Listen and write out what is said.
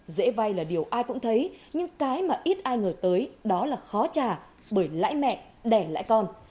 dễ vay là điều ai cũng thấy nhưng cái mà ít ai ngờ tới đó là khó trả bởi lãi mẹ đẻ lãi con